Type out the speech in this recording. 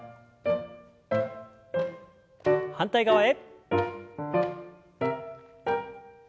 反対側へ。